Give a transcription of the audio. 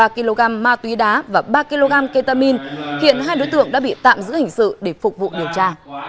ba kg ma túy đá và ba kg ketamin hiện hai đối tượng đã bị tạm giữ hình sự để phục vụ điều tra